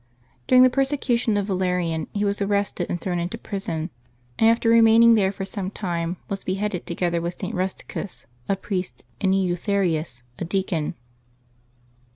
During the persecu tion of Valerian he was arrested and thrown into prison, and after remaining there for some time was beheaded, together with St. Rusticus, a priest, and Eleutherius, a deacon.